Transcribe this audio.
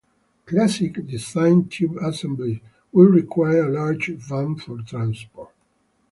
"Classic" design tube assemblies would require a large van for transport.